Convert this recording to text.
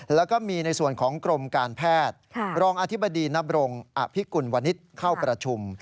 แล้วก็มีในส่วนของกรมการแพทย์รองอธิบดีนบรงอภิกุลวนิษฐ์เข้าประชุม